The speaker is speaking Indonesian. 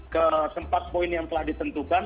ke tempat point yang telah ditentukan